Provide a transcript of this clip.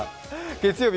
月曜日